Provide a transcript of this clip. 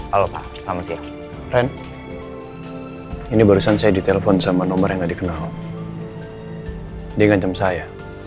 halo pak sama si ren ini barusan saya ditelepon sama nomor yang dikenal dengan saya